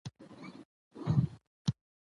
چار مغز د افغانستان د ښاري پراختیا یو لوی سبب کېږي.